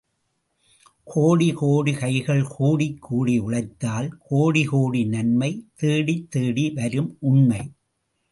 கோடி கோடி கைகள், கூடிக் கூடி உழைத்தால் கோடி, கோடி நன்மை, தேடித்தேடி வரும் உண்மை.